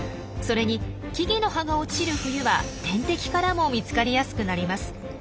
それに木々の葉が落ちる冬は天敵からも見つかりやすくなります。